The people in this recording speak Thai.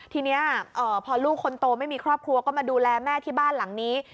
ทีนี้พอลูกคนโตไม่มีครอบครัวก็มาดูแลแม่ที่บ้านหลังนี้